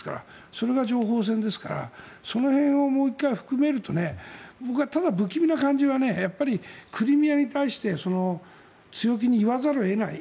それが情報戦ですからその辺をもう一回含めると僕は、ただ不気味な感じはやっぱりクリミアに対して強気に言わざるを得ない。